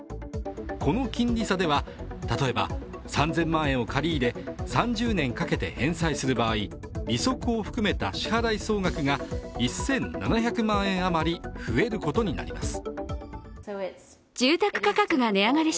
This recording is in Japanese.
この金利差では、例えば３０００万円を借り入れ３０年かけて返済する場合利息を含めた支払い総額が１７００万円余り増えることになります。